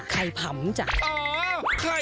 อ๋อไข่พำ